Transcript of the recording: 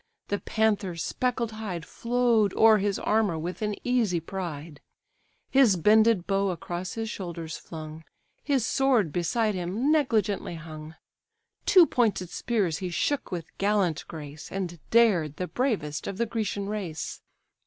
the panther's speckled hide Flow'd o'er his armour with an easy pride: His bended bow across his shoulders flung, His sword beside him negligently hung; Two pointed spears he shook with gallant grace, And dared the bravest of the Grecian race.